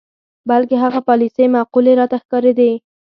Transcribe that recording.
بلکې هغه پالیسۍ معقولې راته ښکارېدلې.